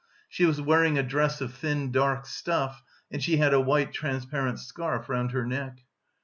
She was wearing a dress of thin dark stuff and she had a white transparent scarf round her neck.